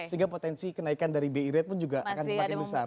sehingga potensi kenaikan dari bi rate pun juga akan semakin besar